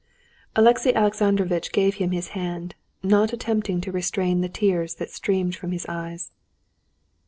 Alexey Alexandrovitch gave him his hand, not attempting to restrain the tears that streamed from his eyes.